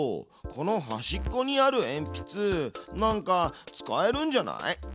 この端っこにあるえんぴつなんか使えるんじゃない？